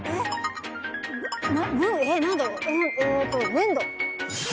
粘土。